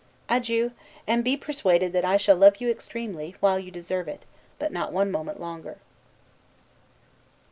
Adieu! and be persuaded that I shall love you extremely, while you deserve it; but not one moment longer.